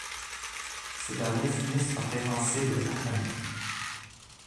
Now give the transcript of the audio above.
Ces derniers finissent par l'évincer de la compagnie.